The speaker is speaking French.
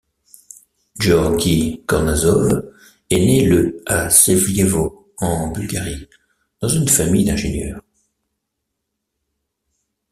Gueorgui Kornazov est né le à Sevlievo en Bulgarie, dans une famille d'ingénieurs.